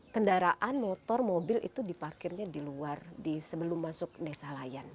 kendaraan motor mobil itu diparkirnya di luar sebelum masuk desa layan